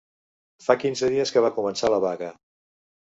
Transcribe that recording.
Fa quinze dies que va començar la vaga